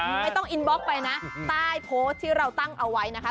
ไม่ต้องอินบล็อกไปนะใต้โพสต์ที่เราตั้งเอาไว้นะคะ